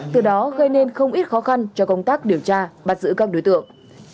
từ đó gây nên không ít khó khăn cho công tác điều tra bắt giữ các đối tượng